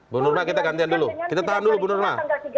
bu nurma kita gantian dulu kita tahan dulu bu nurma